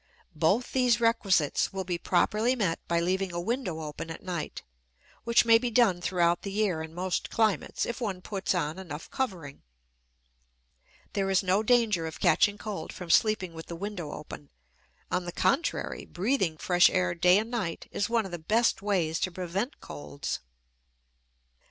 Both these requisites will be properly met by leaving a window open at night, which may be done throughout the year in most climates, if one puts on enough covering. There is no danger of catching cold from sleeping with the window open; on the contrary, breathing fresh air day and night is one of the best ways to prevent colds.